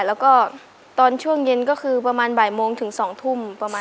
แล้วก็ตอนช่วงเย็นก็คือประมาณบ่ายโมงถึง๒ทุ่มประมาณ